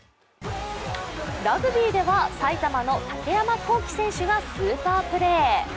ラグビーでは埼玉の竹山晃暉選手がスーパープレー。